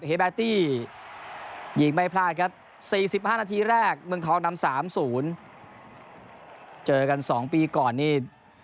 แบตตี้ยิงไม่พลาดครับ๔๕นาทีแรกเมืองทองนำ๓๐เจอกัน๒ปีก่อนนี่